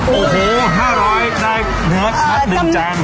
โอ้โห๕๐๐ได้เนื้อชัด๑จาน